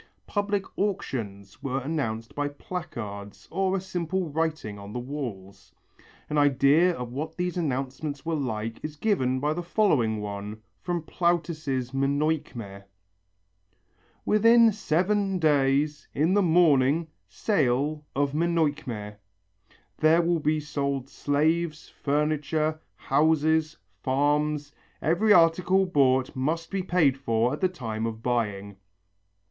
Public auctions were announced by placards or a simple writing on the walls. An idea of what these announcements were like is given by the following one from Plautus' Menœchme: "Within seven days, in the morning, sale of Menœchme. There will be sold slaves, furniture, houses, farms. Every article bought must be paid for at the time of buying."